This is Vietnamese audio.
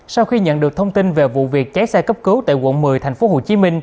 sau khi nhận được thông tin về vụ việc cháy xe cấp cứu tại quận một mươi tp hcm